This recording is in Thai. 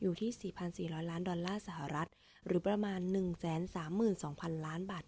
อยู่ที่๔๔๐๐ล้านดอลลาร์สหรัฐหรือประมาณ๑๓๒๐๐๐ล้านบาท